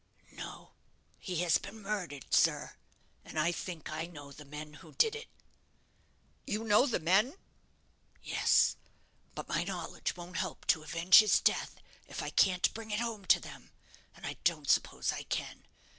"No; he has been murdered, sir. And I think I know the men who did it." "You know the men?" "Yes; but my knowledge won't help to avenge his death, if I can't bring it home to them and I don't suppose I can.